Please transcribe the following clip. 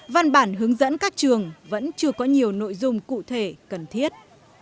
văn bản hướng dẫn các trường vẫn chưa có nhiều nội dung cụ thể cần thiết